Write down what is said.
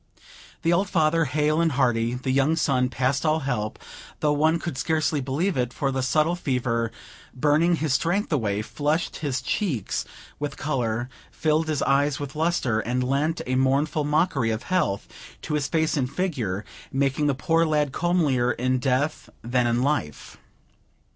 The old father, hale and hearty; the young son, past all help, though one could scarcely believe it; for the subtle fever, burning his strength away, flushed his cheeks with color, filled his eyes with lustre, and lent a mournful mockery of health to face and figure, making the poor lad comelier in death than in life.